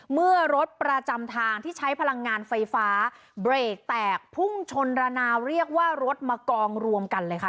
เมื่อรถประจำทางที่ใช้พลังงานไฟฟ้าเบรกแตกพุ่งชนระนาวเรียกว่ารถมากองรวมกันเลยค่ะ